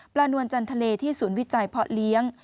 นวลจันทะเลที่ศูนย์วิจัยเพาะเลี้ยง